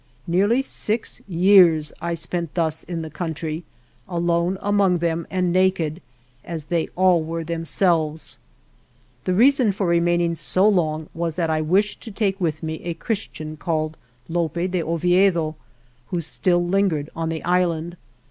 Nearly six years I spent thus in the coun try, alone among them and naked, as they all were themselves. The reason for remaining so long was that I wished to take with me a Chris tian called Lope de Oviedo, who still lin gered on the island.